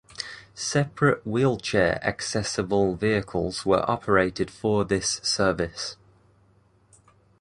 Separate wheelchair accessible vehicles were operated for this service.